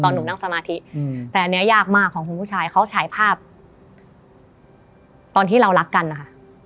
หนูนั่งสมาธิแต่อันนี้ยากมากของคุณผู้ชายเขาฉายภาพตอนที่เรารักกันนะคะ